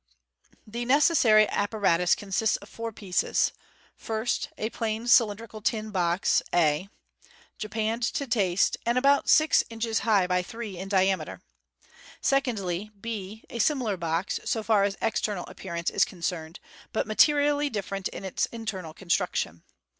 The necessary appar itus consists of four pieces. First, a plain cylindrical tin box A (see Fig. m), japanned to taste, and about six inches high by three in diameter. Secondly, B, a similar box, so far as external appearance is concerned, but materially different in its internal construction.